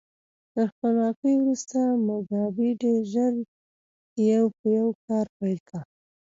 تر خپلواکۍ وروسته موګابي ډېر ژر یو په یو کار پیل کړ.